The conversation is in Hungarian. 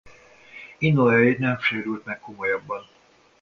Inoue nem sérült meg komolyabban.